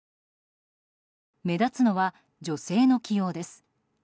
目立つのは、女性の起用です。